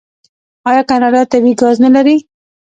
آیا کاناډا طبیعي ګاز نلري؟